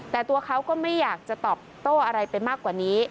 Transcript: แต่ตัวเขาก็ไม่อยากจะตอบโต้อะไรไปมากกว่านี้